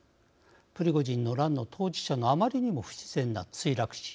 プリゴジンの乱の当事者のあまりにも不自然な墜落死。